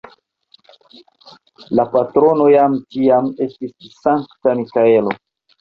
La patrono jam tiam estis Sankta Mikaelo.